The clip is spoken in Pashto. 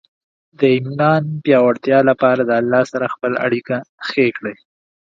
د ایمان پیاوړتیا لپاره د الله سره خپل اړیکه ښې کړئ.